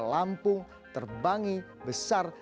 lampung terbangi besar